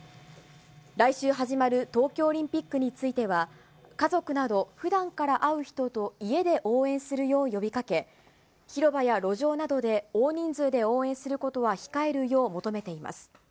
来週始まる東京オリンピックについては、家族など、ふだんから会う人と家で応援するよう呼びかけ、広場や路上などで大人数で応援することは控えるよう求めています。